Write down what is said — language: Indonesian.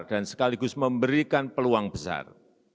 dan sekaligus memberikan peluang besar